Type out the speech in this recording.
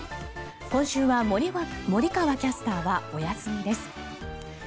今週は森川キャスターはお休みです。